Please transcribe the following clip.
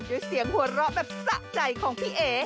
ด้วยเสียงหัวเราะแบบสะใจของพี่เอ๋